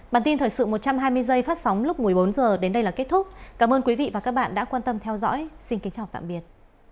bản tin thời sự một trăm hai mươi giây phát sóng lúc một mươi bốn h đến đây là kết thúc cảm ơn quý vị và các bạn đã quan tâm theo dõi xin kính chào tạm biệt